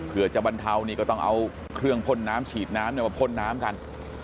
เพื่อจะบรรเทานี่ก็ต้องเอาเครื่องพ่นน้ำฉีดน้ำมาพ่นน้ำกัน